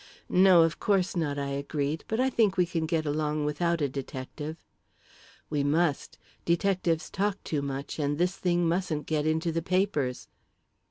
"No, of course not," I agreed; "but I think we can get along without a detective." "We must. Detectives talk too much, and this thing mustn't get into the papers."